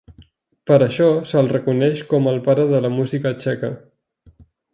Per això, se'l reconeix com el pare de la música txeca.